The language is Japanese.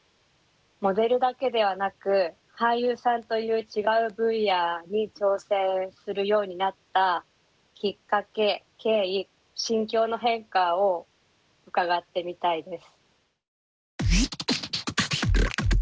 モデルだけではなく俳優さんという違う分野に挑戦するようになったきっかけ経緯心境の変化を伺ってみたいです。